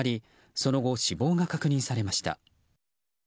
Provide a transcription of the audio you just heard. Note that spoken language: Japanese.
その後、死亡が確認されました。